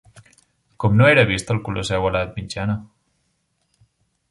Com no era vist el Colosseu a l'edat mitjana?